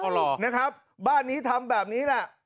อ๋อหรอนะครับบ้านนี้ทำแบบนี้ล่ะ